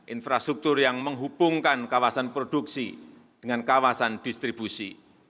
infrastruktur yang menghubungkan kawasan produksi dengan kawasan distribusi